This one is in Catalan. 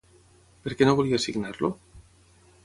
Per què no volia signar-lo?